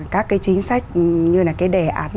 các cái chính sách như là cái đề án